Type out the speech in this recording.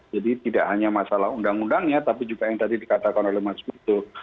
jadi tidak hanya masalah undang undangnya tapi juga yang tadi dikatakan oleh mas vito